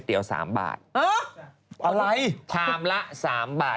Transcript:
สนุนโดยดีที่สุดคือการให้ไม่สิ้นสุด